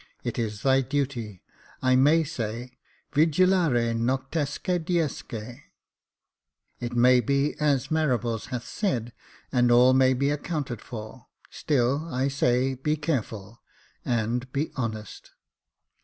It is thy duty, I may say, Vigilare noctesque diesque. It may be as Marables hath said — and all may be accounted for ; still, I say, be careful, and be honest."